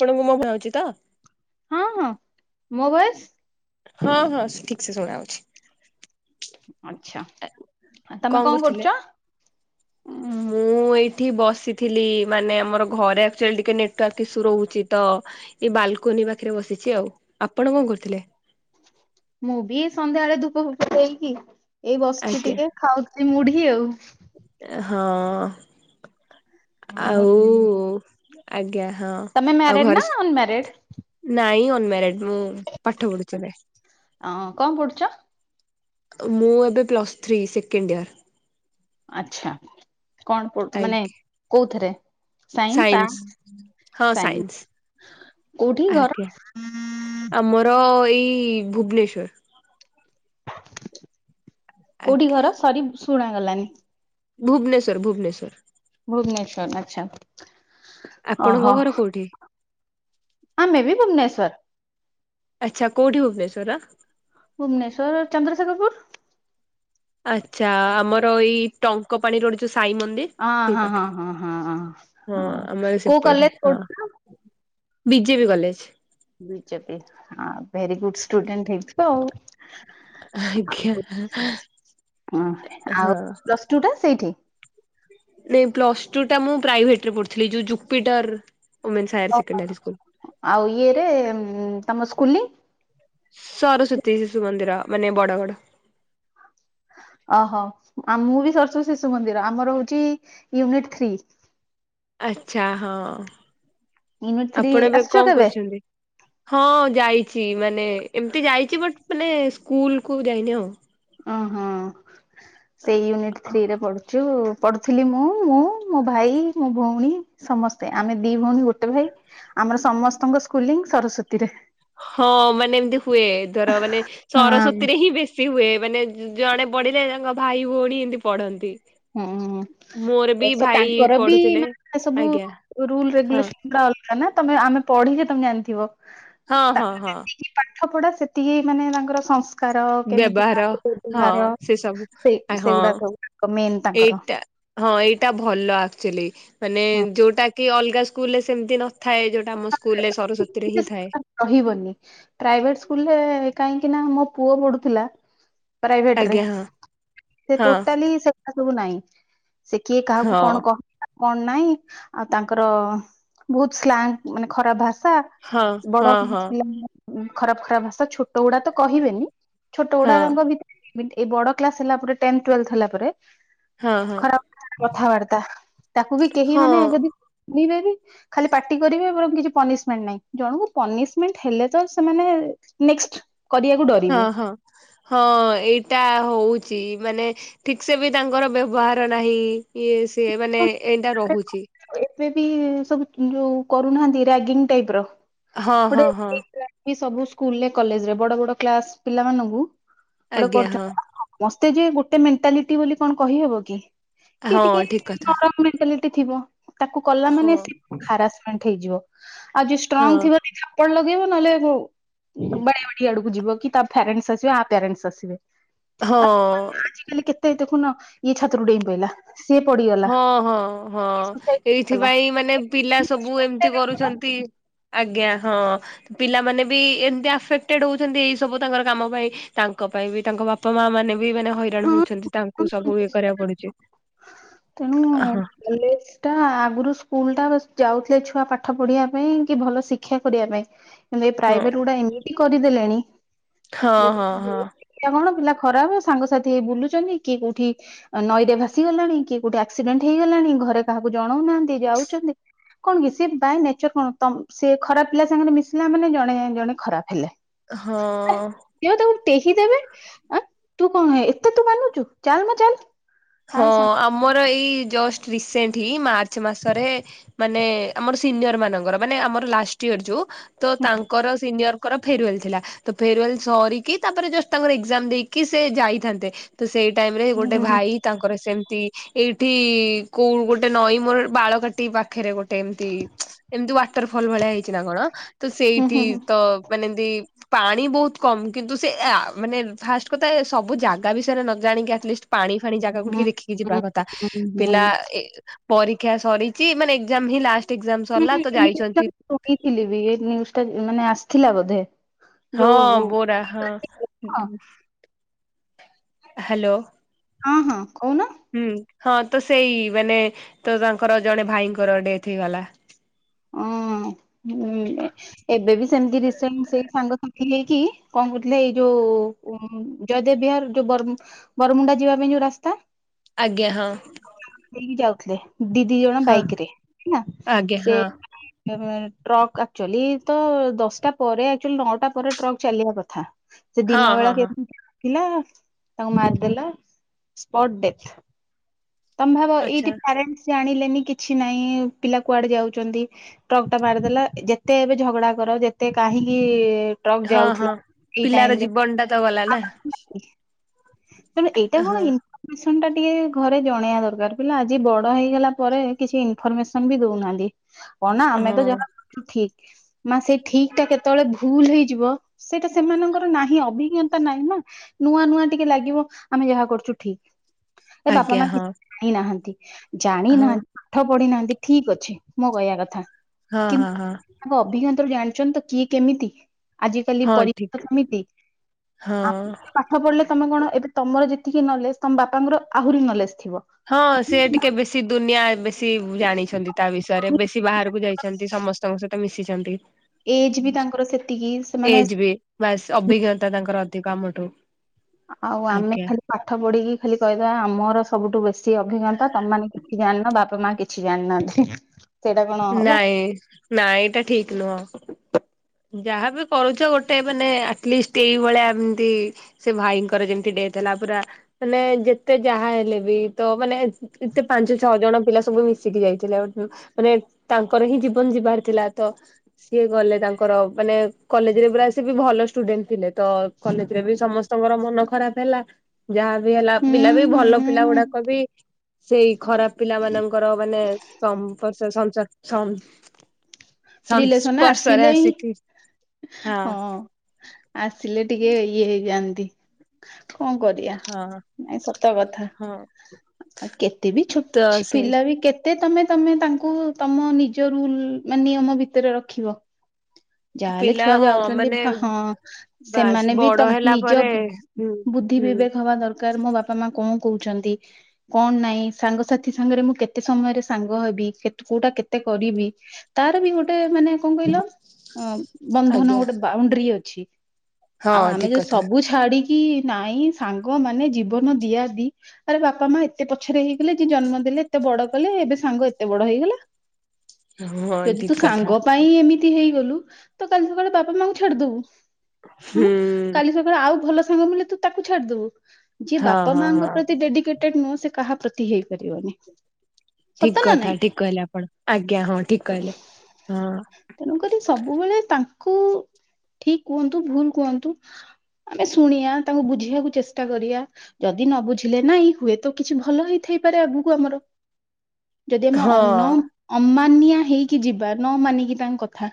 ଆପଣଙ୍କୁ ମୋ ଭଏ ଆଉଚି ତ? ହଁ ହଁ ମୋ ଭଏସ। ହଁ ହଁ ଠିକ ସେ ଶୁଣା ଯାଉଛି। ଆଚ୍ଛା ତମେ କଣ କରୁଛ? ମୁଁ। ମୁଁ ଏଇଠି ବସିଥିଲି ମାନେ ଆମ ଘରେ ଆକଚୁଆଲି ନେଟୱର୍କ୍ ଇସୁ ରହୁଛି ତ - ବାଲକୋନି ପାଖରେ ବସିଛି ଆଉ। ଆପଣ କଣ କରୁଥିଲେ? ଫେନ୍ ଦେଇକି ଏଇ ବସିଛି ଆଜ୍ଞା ଟିକେ ଖାଉଛି ମୁଢି ଆଉ। ହଁ ମୁଁ ଆଉ ଆଜ୍ଞା। ହଁ ତମେ ଆଉ ମ୍ୟାରେଡ ନା ଘରେ ଅନମ୍ୟାରେଡ? ନାଇଁ- ମେରେଡ ମୁଁ ପାଠ ପଢୁଛି ଏବେ। ହଁ କଣ ପଢ଼ୁଛ? ମୁଁ ଏବେ ପ୍ଲସ୍ ଥ୍ରୀ ସେକେଣ୍ଡ ଇୟର। ଆଛା କଣ ପଢ଼ୁ ମାନେ ଆଜ୍ଞା କୋଉଥିରେ ସାଇନ୍ସ ଆର୍ଟ୍ସ? ହଁ ସାଇନ୍ସ କୋଉଠି ଘର? ଆଜ୍ଞା ଆମର। ଏଇ ଭୁବନେଶ୍ଵର। କୋଉଠି ଘର ସରି ଶୁଣା ଗଲାନି। ଭୁବନେଶ୍ୱର ଭୁବନେଶ୍ୱର। ଭୁବନେଶ୍ୱର ଆଚ୍ଛା। ଆପଣଙ୍କ ଓହୋ ଘର କୋଉଠି? ଆମେ ବି ଭୁବନେଶ୍ୱର। ଆଚ୍ଛା କୋଉଠି ଭୁବନେଶ୍ୱରର? ଭୁବନେଶ୍ୱର ଚନ୍ଦ୍ରଶେଖରପୁର। ଆଚ୍ଛା ଆମର ଏଇ ଟଙ୍କ ପାଣିର ରୋଡ ଯୋଉ। ସାଇ ମନ୍ଦିର ଅ ସେଇ ହଁ ହଁ ପାଖରେ। ହଁ ହଁ ହଁ କୋଉ କଲେଜ ରେ ପଢ଼ୁ ଥିଲ? B J P college. B J P very good student ହେଇଥିବ। ଆଜ୍ଞା। ଆଉ ହଁ ଆଉ ପ୍ଲସ ଟୁ ଟା ସେଇଠି? ନାଇଁ ପ୍ଲସ ଟୁ ଟା ମୁଁ ପ୍ରାଇଭେଟରେ ପଢୁଥିଲି ଯୋଉ ଜୁପିଟର୍ ଓହ ଆଉ ଇଏରେ ଉଂ ତମ ସ୍କୁଲି? ସରସ୍ଵତୀ ଶିଶୁ ମନ୍ଦିର ମାନେ ବଡଗଡ ଆଉଚି କୀରେ ଅହ ଆମୁବି ସରସ୍ୱତୀଶିଶୁମନ୍ଦିର ଆମର ହଉଚି ୟୁନିଟ୍ ଥ୍ରୀ ଆଛା ହଁ। ୟୁନିଟ ଥ୍ରୀ ଆପଣ ଏବେ ଆସିଛ କଁ କେବେ କରୁଛନ୍ତି ହଁ ଯାଇ। ଛି ମାନେ ଏମିତି ଯାଇଛି ବଟ ମାନେ ସ୍କୁଲ କୁ ଯାଇନି ଆଉ। ଅଂହ ସେଇ ୟୁନିଟ୍ ଥ୍ରୀରେ ପଢୁଛି ଯୋଉ ପଢୁଥିଲି ମୁଁ ମୁଁ ମୋ ଭାଇ ମୋ ଭଉଣୀ ସମସ୍ତେ ଆମେ ଦି ଭଉଣୀ ଗୋଟେ ଭାଇ ଆମର ସମସ୍ତଙ୍କ ସ୍କୁଲିଂ ସରସ୍ଵତୀ ହଁ ମାନେ ଏମିତି ହୁଏ ଧର ମାନେ ସରସ୍ୱତୀ ହଁ ରେ ହିଁ ବେଶୀ ହୁଏ ମାନେ ଜଣେ ପଢିଲେ ତାଙ୍କ ଭାଇ ଭଉଣୀ ଏମିତି ପଢନ୍ତି ହୁଁ ମୋର ବି ଉକ୍ସ୍ୟା ଭାଇ ତାଙ୍କର ବି ପଢୁଥିଲେ ମାନେ ସବୁ ଆଜ୍ଞା ରୁଲ ହଁ ରେଗୁଲେସନ ଗୁଡ଼ା ଅଲଗା। ନାନା ତମେ ଆମେ ପଢିକି ତମେ ଜାଣିଥିବ। ହଁ ହଁ ହଁ ପାଠପଢା ସେତିକି ମାନେ ତାଙ୍କର ସଂସ୍ ତାର କେମିତି ବ୍ୟବହାର ମାର୍କ ହଁ ବାହାରିବ ସେ ସବୁ ସେ ଆ ହଁ ସେଗଡା ସବୁ ମେନ୍ ତାଙ୍କର ଏଇଟା ହଁ ଏଇଟା ଭଲ ଆକ୍ଚୁଆଲି ମାନେ ଯୋଉଟା କି ଅଲଗା ସ୍କୁଲ ରେ ସେମିତି ନ ଥାଏ। ରହିବନି ପ୍ରାଇଭେଟ ସ୍କୁଲରେ କାଇଁ ନା ମୋ ପୁଅ ପଢୁଥିଲା ପ୍ରାଇଭେଟ୍ ରେ ଆଜ୍ଞା ସେ ହଁ ତୋତାଲି ସେଗୁଡା ସବୁ ଏସବୁ ନାଇଁ ସେ କିଏ ହଁ କାହାକୁ କଣ କହିଲା? କଣ ନାାଇଁ ଆଉ ତାଙ୍କର ବହୁତ ସ୍ଲାଙ୍ଗ ମାନେ ଖରାପ ଭାଷା ହଁ ତା ହଁ ବଡ ମା ହଁ ପିଲା ଖରାପ ଖରାପ ଭାଷା ଛୋଟ ଉୁଡା ତ କହିବେନି ଛୋଟ ହଁ ଉୁଡାଙ୍କ ଭିତରେ ଏମିତି ଏଇ ବଡ କ୍ଲାସ ହେଲା ପରେ ଟଏଣ୍ଟ ତ୍ୱୋଲ୍ଭେଥ ହେଲା ପରେ ହଁ ହଁ ହଁ ଖରାପ କଥାବାର୍ତା ତାକୁ ବି କେହି ମାନେ ଯଦି ନିବେନି ଖାଲି ପାଟି କରିବେ ବରଂ କିଛି ପନିଶ୍ମେଣ୍ଟ ନାହିଁ ଜଣଙ୍କୁ ପାନିଶ୍ମେଣ୍ଟ ହେଲେତ ସେମାନେ ନେକ୍ସଟ୍ ହଁହଁ ହଁ ଏଇଟା ହଉଛି। ମାନେ ଠିକ ସେ ବି ତାଙ୍କର ବ୍ୟବହାର ନାହିଁ ଇଏ ସିଏ ମାନେ ଏନ୍ତା ରହୁଛି। ଏବେବି ସବୁ ଯୋଉ କରୁନାହାନ୍ତି ରାଗିଂ ଟାଇପ ର ହଁ ଗୋଟେ ହଁ ହଁ ହେଇଗଲାଣି। ସବୁ ସ୍କୁଲରେ କଲେଜରେ ବଡବଡ କ୍ଲାସ ପିଲାମାନଙ୍କୁ ଗୋଟେ ଆଜ୍ଞା ହଁ। କରୁଛନ୍ତି ସମସ୍ତେ ଯେ ଗୋଟେ ମେଣ୍ଟାଲିଟି ବୋଲି କଣ କହିହେବ କି? ହଁ ଠିକ୍ କଥା। ମେନ୍ତାଲିଟି ଥିବ ତାକୁ କଲା ହଁ ମାନେ ସେ ହାରାସମେଣ୍ଟ ହେଇଯିବ ଆଯିଏ ହଁ ଷ୍ଟ୍ରଙ୍ଗ ଥିବ ଦିଥାପଡ ଲଗେଇବ ନହେଲେ ବାଡାବାଡି ଆଡକୁ ଯିବ କି ତା ପ୍ୟାରେଣ୍ଟସ ଆସିବେ ଆ ପ୍ୟାରେଣ୍ଟସ ଆସିବେ ହଁ। ହେଇ ଦେଖୁନ ଇଏ ଛାତ ରୁ ଦେଇଁପଇଲା ସିଏ ପଡିିଗଲା। ହଁ ହଁ ହଁ ଏଇଥିପାଇଁ ମାନେ ପିଲା ସବୁ ଏମିତି ହେଲା। କରୁଛନ୍ତି। ଆଜ୍ଞା ହଁ ପିଲାମାନେବି ଏନ୍ତି ଆଫେକ୍ଟେଡ ହଉଛନ୍ତି ଏଇ ସବୁ ତାଙ୍କର କାମ ପାଇଁ ତାଙ୍କ ପାଇଁବି ତାଙ୍କ ବାପାମା ମାନେ ବି ମାନେ ହଇରାଣ ହଁ ହଉଛନ୍ତି ତାଙ୍କୁ ସବୁ ଇଏ କରିବାକୁ ପଡୁଛି ତେଣୁ ହଁ କଲେଜ ଟା। ଆଗରୁ ସ୍କୁଲଟା ବାସ୍ ଯାଉଥିଲେ ଛୁଆ ପାଠପଢିଆ ପାଇଁ କି ଭଲ ଶିକ୍ଷା କରିବା ପାଇଁ। ଆଣ୍ଡ ଏ ହଁ ପ୍ରାଇଭେଟଉଡ଼ା ଏମିତି କରିଦେଲେଣି ହଁ ଯେହେତୁ ହଁ ପିଲା ହଁ ସଂଖ୍ୟା କଣ? ଖରାବେଳେ ସାଙ୍ଗସାଥି ହେଇ ବୁଲୁଛନ୍ତି କିଏ କୋଉଠି ନଈରେ ଭାସିଗଲେଣି କି ଗୋଟେ ଆକ୍ସିଡେଣ୍ଟ ହେଇଗଲାଣି ଘରେ କାହାକୁ ଜଣାଉନାହାନ୍ତି ଯାଉଛନ୍ତି। କଣ କି ସିଏ ବାଇ ନେଚର କଣ ସି ଖରାପ ପିଲା ସାଙ୍ଗରେ ମିଶିଲା ମାନେ ଜଣେ ଜଣେ ଖରାପ ହେଲେ କିଏ ହଁ। ତାକୁ ଟେହି ଦେବେ ଆଁ ତୁ କଁ ଏତେ ତୁ ମାନୁଚୁ ଚାଲ୍ ମ ଚାଲ୍। ହଁ ଆମର ଏଇ ଜଷ୍ଟ୍ ରିସେଣ୍ଟଲି ମାର୍ଚ୍ଚ ମାସରେ ମାନେ ଆମର ସିନିୟର ମାନଙ୍କର ମାନେ ଆମର ଲାଷ୍ଟ ଇୟର ଯୋଉ ତ ତାଙ୍କର ସିନିୟର ତାଙ୍କର ଫେରୁୱେଲ୍ ଥିଲା ତ ଫେରୁୱେଲ ସରିକି ତାପରେ ଜଷ୍ଟ୍ ତାଙ୍କର ଏକ୍ଜାମ ଦେଇକି ସେ ଯାଇଥାନ୍ତେ ତ ସେଇ ଟାଇମ ରେ ହୁଁ ଗୋଟେ ହୁଁ ଭାଇ ସେମ୍ ତି ଏଇଠି କୋଉ ଗୋଟେ ନଈ ମୋର ବାଳକାଟି ପାଖରେ ଗୋ ଟେମ୍ ତି ଏମ୍ ତି ୱାଟର୍ ଫଲ ଭଳିଆ ହେଇଛି ନା କଣ ତ ହୁଁ ସେଇଠି ହୁଁ ହୁଁ ତ ମାନେ ତି ପାଣି ବୋହୁତ୍ କମ୍ କିନ୍ତୁ ସେ ଆ ମାନେ ଫାଷ୍ଟ୍ କଥା ସବୁ ଜାଗା ବିଷୟରେ ନ ଜାଣିକି ଆଟଲିଷ୍ଟ୍ ପାଣି ପାଣି ଜାଗାକୁୁ ଟିକେ ହୁଁ ଦେଖିକି ଯିବା ହୁଁ କଥା ହୁଁ ହୁଁ ପିଲା ଏ ପରୀକ୍ଷା ସରିଚି ମାନେଏକ୍ସାମ୍ ହିଁ ଲାଷ୍ଟ୍ ବି ଏ ନିଉଜ୍ ଟା ମାନେ ଆସିଥିଲା ବୋଧେ। ହଁ ବୋରା ହଁ। ହାଲୋ। ହଁ ହଁ କୋହୁନ। ହୁଁ ହଁ ତ ସେଇ ମାନେ ତ ତାଙ୍କର ଜଣେ ଭାଇଙ୍କର ଡେଥ୍ ହେଇଗଲା। ହୁଁ। ହୁଁ ଏବେ ବି ସେମ୍ ତି ରିସେଣ୍ଟ୍ ସେଇ ସାଙ୍ଗସାଥି ହେଇକି କଣ କରୁଥିଲେ ଏଇ ଯୋଉ ଜୟଦେବ୍ ବିହାର ଯୋଉ ବରମୁଣ୍ଡା ଯିବା ପାଇଁ ଯୋଉ ରାସ୍ତା ଆଜ୍ଞା ହଁ। ଥିଲେ ଦି, ଦି ଜଣ ହଁ ବାଇକ୍ ରେ ହେଲା ଆଜ୍ଞା ହଁ ସେ ଟ୍ରକ୍ ଆକ୍ଚୁଆଲିତ ଦଶଟା ପରେ ନଅଟା ପରେ ଟ୍ରକ୍ ଚାଲିବା କଥା। ସେ ହଁ ଦିନ ହଁ ବେଳା ହଁ କେ ପିଲା ତାଙ୍କୁ ମାରିଦେଲା ସ୍ପଟ୍ ଡେଥ୍। ତମେଭାବ ଆଚ୍ଛା ଏଇଠି ପ୍ୟାରେଣ୍ଟସ୍ ଜାଣିଲେନି କିଛି ନଇଁ ପିଲା କୁଆଡେ ଯାଉଚନ୍ତି ଟ୍ରକ୍ ଟା ମାରିଦେଲା ଯେତେ ଏବେ ଝଗଡା କର ଯେତେ କା କାହିଁକି ଟ୍ରକ୍ ହଁ ହଁ ଯାଉଥିଲା ଏଇ ପିଲାର ଟାଇମ୍ ରେ? ଜୀବନ ଟା ତ ଗଲା ନା ତେବେ ଏଇଟା କଣ ହଁ ଇନଫରମେସନ୍ ଟା ଟିକେ ଘ ଜଣେଇବା ଦରକାର ପିଲା ଆଜି ବଡ ହେଇଗଲା ପରେ କିଛି ଇନଫରମେସନ୍ ବି ଦୋଉନାହାନ୍ତି। କଣ ନା ଆମେ ହଁ ତ ଯାହା କରଚୁ ଠିକ୍। ମା ସେ ଠିକ୍ ଟା କେତେବେଳେ ଭୁଲ ହେଇଯିବ ସେଇଟା ସେମାନଙ୍କର ନାହିଁ ଅଭିଜ୍ଞତା ନାହିଁ ନା। ନୂଆ ନୂଆ ଟିକେ ଲାଗିବ ଆମେ ଯାହା କରୁଚୁ ଠିକ୍। ବା ଆଜ୍ଞା ହଁ ଜାଣିନାହାନ୍ତି ଜାଣି ହଁ ନାହାନ୍ତି ପାଠ ପଢିନାହାନ୍ତି ଠିକ୍ ଅଛି ମୋ କହିବା କଥା। ହଁ କି ହଁ ହଁ ତାଙ୍କ ଅଭିଜ୍ଞତା ରୁ ଜାଣିଛନ୍ତି ତ କିଏ କେମିତି। ଆଜି କାଲି ହଁ ପରୀ ଠିକ କେମିତି ଆ ହଁ ପାଠ ପଢିଲେ ତମେ କଣ ଏବେ ତମର ଯେତିକି ନଲେଜ୍ ତମ ବାପାଙ୍କର ଆହୁରି ନ ହଁ ସିଏ ଟିକେ ବେଶୀ ଦୁନିଆ ଉଁ ଜାଣିଛନ୍ତି ତା ବିଷୟରେ ବେଶୀ ବାହାରୁକୁ ଯାଇଛନ୍ତି ସମସ୍ତଙ୍କ ସହିତ ମିଶିଚନ୍ତି। ଏଜ ବି ତାଙ୍କର ସେତିକି ସେମାନେ ଏଜ୍ ବି ଅଭିଜ୍ଞତା ତାଙ୍କର ଅଧିକ ଆମଠୁ। ଆଉ ଆମେ ଆଜ୍ଞା ଖାଲି ପାଠ ପଢିକି ଖାଲି କହିଦେବା ଆମର ସବୁଠୁ ବେଶ୍ ସେଏ ଅଭିଜ୍ଞତା ତମେମାନେେ କିଛି ଜାଣିନ ବାପା ମା କିଛି ଜାଣିନାହାନ୍ତି। ସେଇଟା କଣ ହବ ନାଇଁ ନାଁ ଏଇଟା ଠିକ ନୁହଁ। ଯାହାବି କରୁଚ ଗୋଟେ ମାନେ ଆଟଲିଷ୍ଟ୍ ଏଇଭଳିଆ ଏମ୍ ତି ସେ ଭାଇଙ୍କର ଯେମ୍ ତି ଡେଥ୍ ହେଲା ପୁରା ମାନେ ଯେତେ ଯାହା ହେଲେ ବି ତ ମାନେ ଏତେ ପାଞ୍ଚ ଛଅ ଜଣ ପିଲା ସବୁ ମିଶିକି ଯାଇଥିଲେ ଆ ମାନେ ତାଙ୍କର ହିଁ ଜୀବନ୍ ଯିବାର ଥିଲା ତ ସିଏ ଗଲେ ତାଙ୍କର ମାନେ କଲେଜ୍ ରେ ପୁରା ସିଏବି ଭଲ ଷ୍ଟୁଡେଣ୍ଟ୍ ଥିଲେ ତ କଲେଜ୍ ରେ ବି ସମସ୍ତଙ୍କର ମନ ଖରାପ୍ ହେଲା ଯାହା ହେଲା ହୁଁ ପିଲା ବି ହୁଁ ଭଲ ପିଲା ହୁଁ ଗୁଡାକ ବି ସେଇ ଖରାପ୍ ପିଲା ମାନଙ୍କର ମାନେ ସମ୍ ପସେସନ୍ସା ସମ୍ ରିଲେସନ ସନ୍ସପର୍ଷରେ ଆସିଲେ ହିଁ ଆସିକି ହଁ ଆସିଲେ ଟିକେ ଇଏ ହେଇଯାଆନ୍ତି କଣ କରିବା ହଁ ନାଇଁ ସତ କଥା। ହଁ ଆଉ କେତେ ବି ତ ଛୋ ସେଇ ପିଲା ବି କେତେ ଏତେ ତମେ ତମେ ତାଙ୍କୁ ତମ ନିଜ ରୁଲ ମେ ନିୟମ ଭିତରେ ରଖିବ। ଯାହାହେଲେ ପିଲା ଛୁଆ ହଁ ଯାଉଛନ୍ତି। ମାନେ ହଁ ବାସ୍ ସେମାନେ ବି ବଡ ତ ହେଲା ନିଜ ପରେ ହୁଁ ବୁଦ୍ଧି ହୁଁ ବିବେକ ହବା ଦରକାର ମୋ ବାପା ମା କଣ କହୁଛନ୍ତି କଣ ନାଇଁ ସାଙ୍ଗସାଥି ସାଙ୍ଗରେ, ମୁଁ କେତେ ସମୟରେ ସାଙ୍ଗ ହେବି କୋଉଟା କେତେ କରିବି ତାର ବି ଗୋଟେ ମାନେ କଣ କହିଲ ଅ ବନ୍ଧନ ଆଜ୍ଞା ଗୋଟେ ବାଉଣ୍ଡରି ଅଛି। ଆଉ ହଁ ଆମେ ଠିକ ଯଉ କଥା ସବୁ ଛାଡି କି ନାଇଁ ସାଙ୍ଗ ମାନେ ଜୀବନ ଦିଆଦି ଆରେ ବାପା ମା ଏତେ ପଛରେ ହେଇଗଲେ ଯେ ଜନ୍ମଦେଇ ଏତେ ବଡ କଲେ ଏବେ ସାଙ୍ଗ ଏତେ ବଡ ହେଇଗଲା। ହଁ ଯଦି ତୁ ଠିକ କଥା ସାଙ୍ଗ ପାଇଁ ଏମିତି ହେଇଗଲୁ ତ କାଲି ସକାଳେ ବାପା ମାଙ୍କୁ ଛଡିଦବୁ। ହୁଁ। ଭଲ ତାକୁ ଛାଡିଦବୁ ଯିଏ। ହଁ ବାପା ହଁ ମାଙ୍କ ହଁ ପ୍ରତି ଡେଡିକେଟ ନୁହଁ ସେ କାହା ପ୍ରତି ହେଇପାରିବନି। ସତ ଠିକ ନା କଥା ନାଇଁ ଠିକହିଲେ ଆପଣ ଆଜ୍ଞା ହଁ ଠିକହିଲେ ତେଣୁକରି ହଁ ସବୁବେଳେ ତାଙ୍କୁ ଠିକ କୁହନ୍ତୁ, ଭୁଲ କୁହନ୍ତୁ। ଆମେ ଶୁଣଆ ତାଙ୍କୁ ବୁଝିବାକୁ ଚେଷ୍ଟା କରିବା, ଯଦି ନ ବୁଝିଲେ ନାଇଁ ହୁଏତ କିଛି ଭଲ ହେଇଥାଏ। ହେଇପାରେ ଆଗକୁ ଆମର ଯଦି ଆମେ ହଁ ନ ଅମାନିଆ ହେଇକି ଯିବା ନ ମାନିକି ତାଙ୍କ କଥା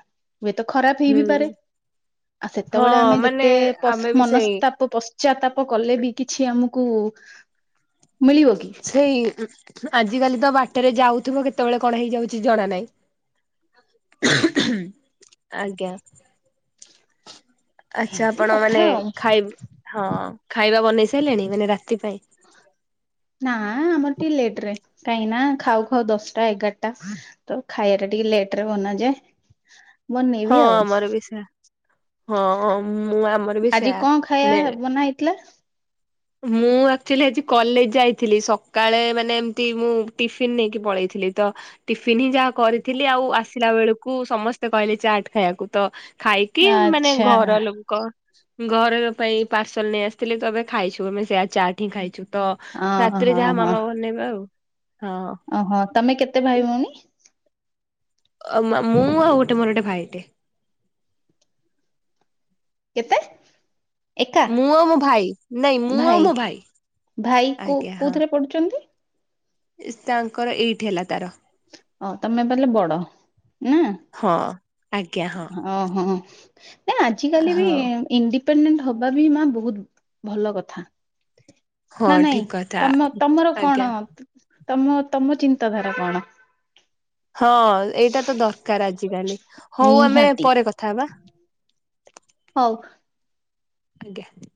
ହୁଏତ ଖରାପ ହେଇ ବିି ପାରେ ହୁଁ ଆଉ ହଁ ସେତେବେଳେ ଆମେ ମାନେ ଯେତେ ଆମେ ବି ସେଇ ମନସ୍ତାପ ପଶ୍ଚାତାପ କଲେ ବି କିଛି ଆମକୁ ମିଳିବ କି ସେଇ ଆଜି କାଲି ତ ବାଟରେ ଯାଉଥିବ କେତେବେଳେ କଣ ହେଇଯାଉଛି ଜଣା ନାହିଁ [inaudible] ଆଜ୍ଞା ଆଛା ଏମିତି ଆପଣ କଥା ମାନେ ଆଉ ଖାଇ ହଁ ଖାଇବା ବନେଇ ସାରିଲଣି ମାନେ ରାତି ପାଇଁ। ନାଁ ଆମର ଟିକେ ଲେଟରେ କାହିଁକି ନା ଖାଉ ଖାଉ ଦଶଟା ଏଗାରଟା ତ ଖାଇବାରେ ଟିକେ ଲେଟ ରେ ବନାଯାଏ। ବନେଇବି ହଁ ଆଉ। ଆମର ବି ସେ ହଁ ମୁଁ ଆମର ବି ଆଜି ସେୟା କଣ ନେ ଖାଇବା ବନା ହେଇଥିଲା। ମୁଁ ଆକ୍ଚୁଲି ଆଜି କଲେଜ ଯାଇଥିଲି, ସକାଳେ ମାନେ ଏମତି ମୁଁ ଟିଫନ୍ ନେଇକି ପଳେଇଥିଲି। ତ ଟିଫିନ ହିଁ ଯାହା କରିଥିଲି ଆଉ ଆସିଲା ବେଳକୁ ସମସ୍ତେ କହିଲେ ଚାଟ ଖାଇବାକୁ ତ ଖାଇକି ମାନେ ଆଚ୍ଛା ଘର ଲୋକ ଘର ପାଇଁ ପାର୍ସଲ ନେଇ ଆସିଥିଲେ ତମ ଖାଇଛ ଆମେ ସେୟା ଚା ଠି ଖାଇଛୁ ତ ଅ ରାତିରେ ହଁ ଯାହା ହଁ ମାମା ବା ବନେଇବା ଆଉ। ଓହୋ ତମେ କେତେ ଭାଇ ଭଉଣୀ ମୁଁ ଆଉ ଗୋଟେ ମୋର ଗୋଟେ ଭାଇଟେ କେତେ? ଏକା ମୁଁ ଆଉ ମୋ ଭାଇ ନାଇଁ ମୁଁ ଆଉ ମୋ ଭାଇ ଭାଇ କୋ ଆଜ୍ଞା ହଁ କୋଉଥିରେ ପଢୁଛନ୍ତି ତାଙ୍କର ଏଇଟ୍ ହେଲା ତାର ଓ ତମେ ବଲେ ବଡ ନା ହଁ ଆଜ୍ଞା ହଁ। ଓହୋ। ନା ଆଜିକାଲି ବି ହଁ ଇଣ୍ଡିପେଣ୍ଡେଣ୍ଟ ହବା ବି ମା ବହୁତ ଭଲ କଥା। ହଁ ନା ନାଇଁ ଠିକ କଥା ତମ ତମର ଆଜ୍ଞା। କଣ? ତମ ତମ ଚିନ୍ତାଧାରା କଣ? ହଁ ଏଇଟା ତ ଦରକାର ଆଜିକାଲି ହଉ ଆମେ ନିହାତି ପରେ କଥା ହବା। ହଉ। ଆଜ୍ଞା।